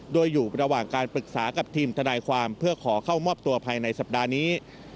โดยอยู่ระหว่างการปรึกษากับทีมทนายความเพื่อขอเข้ามอบตัวภายในสัปดาห์นี้